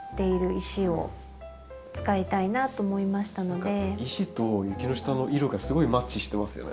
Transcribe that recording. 石とユキノシタの色がすごいマッチしてますよね。